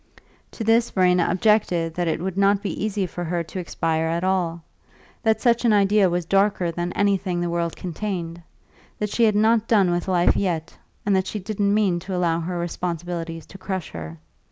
To this Verena objected that it would not be easy for her to expire at all; that such an idea was darker than anything the world contained; that she had not done with life yet, and that she didn't mean to allow her responsibilities to crush her.